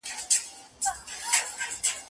هغه بې ږغه او بې شوره ونه